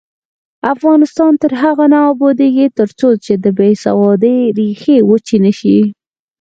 افغانستان تر هغو نه ابادیږي، ترڅو د بې سوادۍ ریښې وچې نشي.